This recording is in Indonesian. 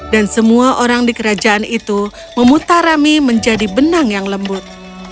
dan semua orang di kerajaan itu memutar rami menjadi benang yang lembut